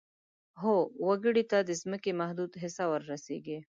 هر وګړي ته د ځمکې محدوده حصه ور رسیږي.